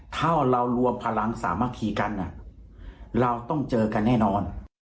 ถ้าเรารวมพลังสามัคคีกันเราต้องเจอกันแน่นอน